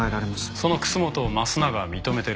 その楠本を益永は認めてる。